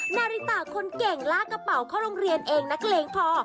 นาริตาคนเก่งลากกระเป๋าเข้าร่วงเรียนเองนะเกรงพ่อ